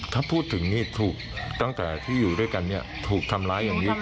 ถ้าพูดถึงนี่ถูกตั้งแต่ที่อยู่ด้วยกันถูกทำร้ายอย่างนี้